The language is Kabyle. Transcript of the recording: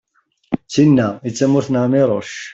d tin-a i d tamurt n ԑmiruc